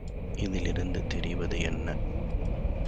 இதிலிருந்து தெரிவது என்ன?